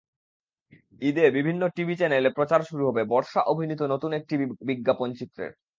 ঈদে বিভিন্ন টিভি চ্যানেলে প্রচার শুরু হবে বর্ষা অভিনীত নতুন একটি বিজ্ঞাপনচিত্রের।